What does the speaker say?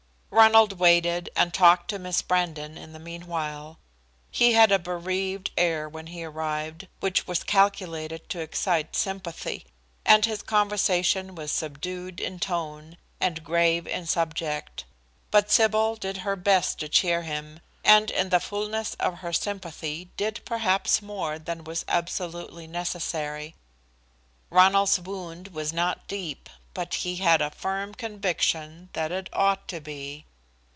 Ronald waited, and talked to Miss Brandon in the mean while. He had a bereaved air when he arrived, which was calculated to excite sympathy, and his conversation was subdued in tone, and grave in subject. But Sybil did her best to cheer him, and in the fullness of her sympathy did perhaps more than was absolutely necessary. Ronald's wound was not deep, but he had a firm conviction that it ought to be.